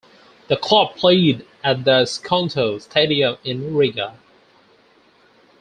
The club played at the Skonto Stadium in Riga.